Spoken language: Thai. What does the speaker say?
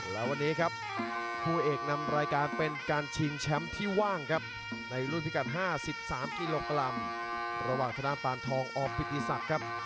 และวันนี้ครับผู้เอกนำรายการเป็นการเชิงแชมป์ที่ว่างครับ